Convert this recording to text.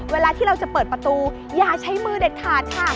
เวลาที่เราจะเปิดประตูอย่าใช้มือเด็ดขาดค่ะ